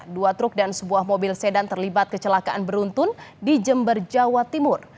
dua truk dan sebuah mobil sedan terlibat kecelakaan beruntun di jember jawa timur